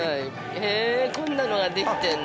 へぇ、こんなのができてんの。